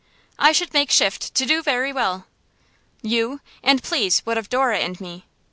'I should make shift to do very well.' 'You? And please what of Dora and me?